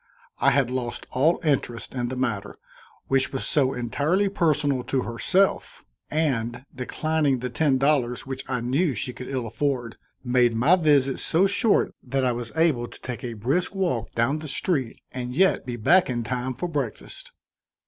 I had lost all interest in the matter, which was so entirely personal to herself, and, declining the ten dollars which I knew she could ill afford, made my visit so short that I was able to take a brisk walk down the street and yet be back in time for breakfast.